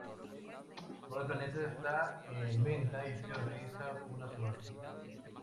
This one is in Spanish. Todo el planeta está en venta, y se organiza una subasta.